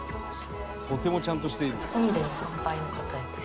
とてもちゃんとしている」